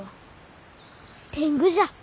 天狗じゃ。